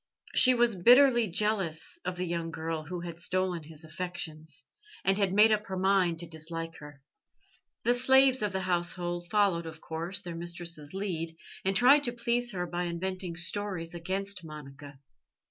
She was bitterly jealous of the young girl who had stolen his affections, and had made up her mind to dislike her. The slaves of the household followed, of course, their mistress's lead, and tried to please her by inventing stories against Monica.